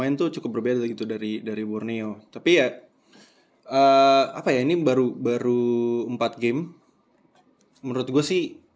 karena itu cukup berbeda gitu dari dari borneo tapi ya apa ya ini baru baru empat game menurut gua sih